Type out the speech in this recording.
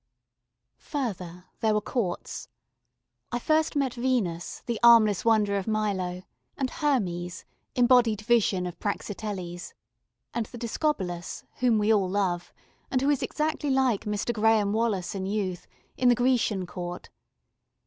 Further, there were Courts; I first met Venus, the armless wonder of Milo, and Hermes, embodied vision of Praxiteles, and the Discobolus, whom we all love, and who is exactly like Mr. Graham Wallas in youth, in the Grecian Court.